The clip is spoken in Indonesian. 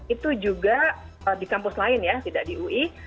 itu juga di kampus lain ya tidak di ui